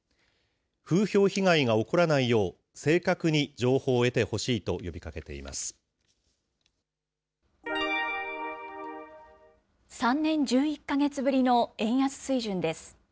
風評被害が起こらないよう、正確に情報を得てほしいと呼びかけて３年１１か月ぶりの円安水準です。